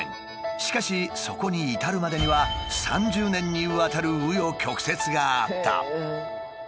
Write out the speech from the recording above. しかしそこに至るまでには３０年にわたるう余曲折があった。